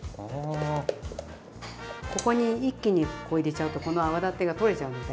ここに一気にここ入れちゃうとこの泡立てが取れちゃうので。